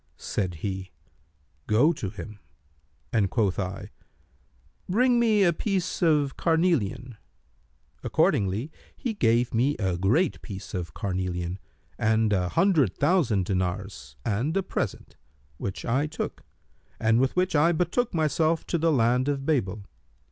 Said he, 'Go to him;' and quoth I, 'Bring me a piece of carnelian.' Accordingly he gave me a great piece of carnelian and an hundred thousand dinars and a present, which I took, and with which I betook myself to the land of Babel.